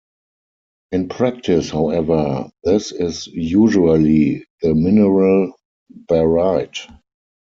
In practice, however, this is usually the mineral baryte.